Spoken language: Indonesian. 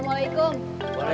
semarang semarang semarang